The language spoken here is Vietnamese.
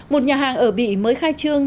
một nhà hàng ở bỉ mới khai trương